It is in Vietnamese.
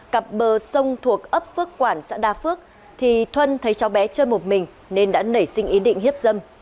cặp bờ sông thuộc ấp phước quản xã đa phước thì thuân thấy cháu bé chơi một mình nên đã nảy sinh ý định hiếp dâm